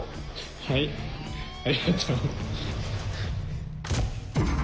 はいありがとう。